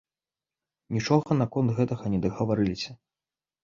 Нічога наконт гэтага не дагаварыліся.